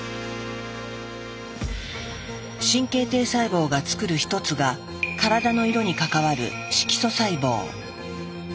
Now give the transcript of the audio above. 神経堤細胞がつくる一つが体の色に関わる色素細胞。